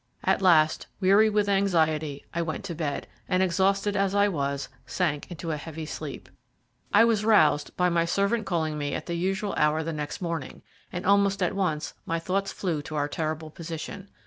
At last, weary with anxiety, I went to bed, and exhausted as I was, sank into a heavy sleep. I was roused by my servant calling me at the usual hour the next morning, and almost at once my thoughts flew to our terrible position.